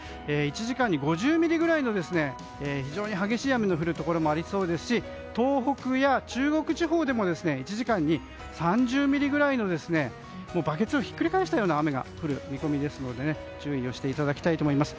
１時間に５０ミリぐらいの非常に激しい雨の降るところもありそうですし東北や中国地方でも１時間に３０ミリぐらいのバケツをひっくり返したような雨が降る見込みなので注意をしていただきたいと思います。